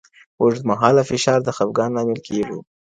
اوږدمهاله فشار د خپګان لامل کېږي.